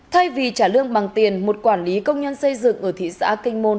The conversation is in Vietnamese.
thay vì trả lương bằng tiền một quản lý công nhân xây dựng ở thị xã kinh môn